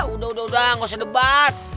udah udah gak usah debat